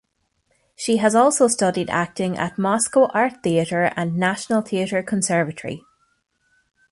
She has also studied acting at Moscow Art Theatre and National Theatre Conservatory.